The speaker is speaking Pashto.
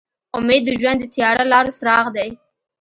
امید د ژوند د تیاره لارو څراغ دی.